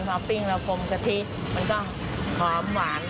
พอปิ้งแล้วพรมกะทิมันก็หอมหวาน